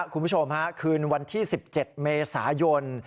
คุณผู้ชมคืนวันที่๑๗เมษายน